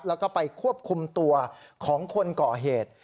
แล้วก็ไปควบคุมตัวของคนก่อเหตุ